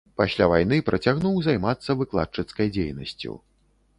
Пасля вайны працягнуў займацца выкладчыцкай дзейнасцю.